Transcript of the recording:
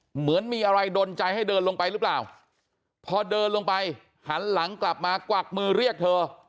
เหมือนมีอะไรดนใจให้เดินลงไปหรือเปล่าพอเดินลงไปหันหลังกลับมากวักมือเรียกเธอ